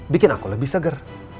bikin aku lebih seger